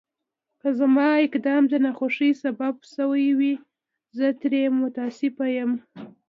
که زما اقدام د ناخوښۍ سبب شوی وي، زه ترې متأسف یم.